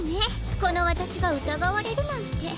このわたしがうたがわれるなんて。